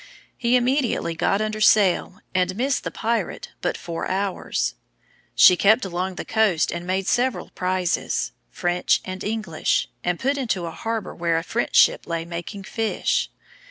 He immediately got under sail, and missed the pirate but four hours. She kept along the coast and made several prizes, French and English, and put into a harbor where a French ship lay making fish.